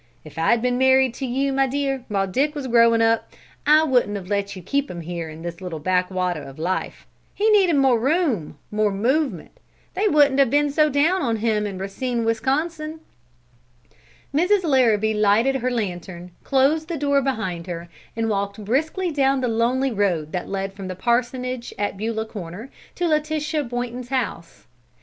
If I'd been married to you, my dear, while Dick was growing up, I wouldn't have let you keep him here in this little backwater of life; he needed more room, more movement. They wouldn't have been so down on him in Racine, Wisconsin!" Mrs. Larrabee lighted her lantern, closed the door behind her, and walked briskly down the lonely road that led from the parsonage at Beulah Corner to Letitia Boynton's house.